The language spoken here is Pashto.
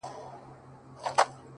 په هغه ورځ به بس زما اختر وي،